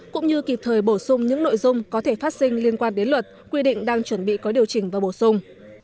cũng như kịp thời bổ sung những nội dung có thể phát sinh liên quan đến luật quy định đang chuẩn bị có điều chỉnh và bổ sung